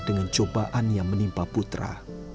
dengan cobaan yang menimpa putra